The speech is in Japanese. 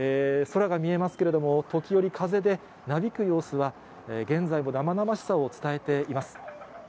空が見えますけれども、時折、風でなびく様子は、現在も生々しさを伝えています。